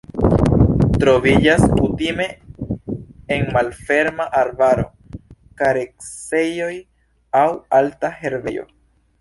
Troviĝas kutime en malferma arbaro, kareksejoj aŭ alta herbejo.